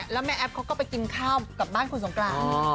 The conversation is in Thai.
แล้วแม่แอฟเขาก็ไปกินข้าวกับบ้านคุณสงกราน